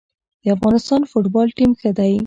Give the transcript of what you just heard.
د افغانستان فوتبال ټیم ښه دی